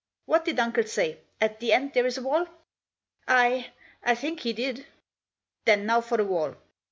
" What did uncle say — at the end there is a wall ?"" I— I think he did." " Then now for the wall."